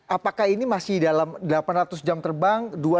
apakah ini masih dalam delapan ratus jam terbang